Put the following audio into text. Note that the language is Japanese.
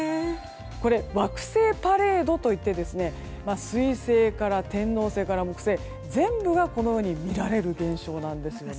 これ、惑星パレードといって水星から、天王星、木星と全部が見られる現象なんですね。